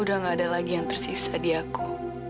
udah gak ada lagi yang tersisa di aku